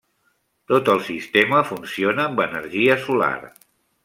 Tot el sistema funciona amb energia solar.